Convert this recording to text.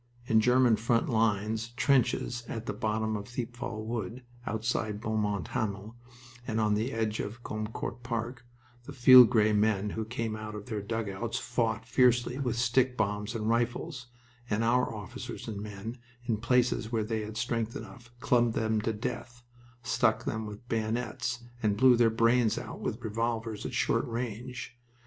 In German front line trenches at the bottom of Thiepval Wood, outside Beaumont Hamel and on the edge of Gommecourt Park, the field gray men who came out of their dugouts fought fiercely with stick bombs and rifles, and our officers and men, in places where they had strength enough, clubbed them to death, stuck them with bayonets, and blew their brains out with revolvers at short range.